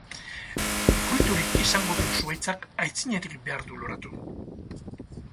Fruiturik izango duen zuhaitzak aitzinetik behar du loratu.